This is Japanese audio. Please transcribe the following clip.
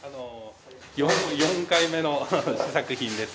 ４回目の試作品です。